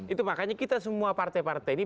itu makanya kita semua partai partai ini